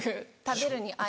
「食べる」に「愛」。